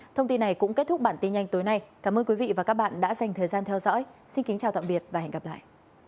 thông tin này cũng kết thúc bản tin nhanh tối nay cảm ơn quý vị và các bạn đã dành thời gian theo dõi xin kính chào tạm biệt và hẹn gặp lại